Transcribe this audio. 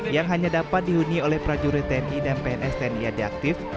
yang hanya dapat dihuni oleh prajurit tni dan pns tni ad aktif